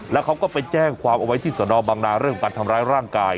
แล้วเขาก็ไปแจ้งความเอาไว้ที่สนบังนาเรื่องของการทำร้ายร่างกาย